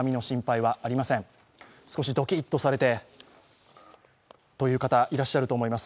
少しドキッとされて、という方いらっしゃると思います。